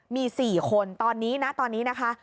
มี๔คนตอนนี้นะคะ